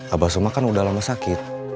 abah suma kan udah lama sakit